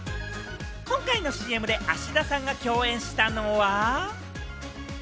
今回のＣＭで芦田さんが共演したのは。